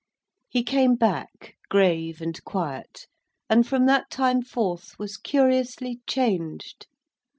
He came back, grave and quiet; and, from that time forth, was curiously changed.